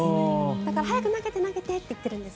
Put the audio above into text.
だから早く投げてって言っているんです。